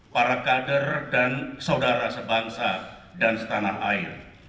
para kader dan saudara sebangsa dan setanah air